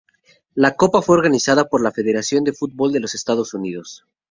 La copa fue organizada por la Federación de Fútbol de los Estados Unidos.